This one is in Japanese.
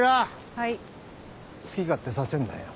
はい好き勝手させんなよ